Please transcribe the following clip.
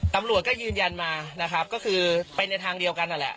ตำรวจก็ยืนยันมานะครับก็คือไปในทางเดียวกันนั่นแหละ